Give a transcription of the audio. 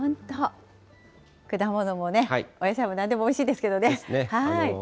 本当、果物もお野菜もなんでもおいしいですけどね。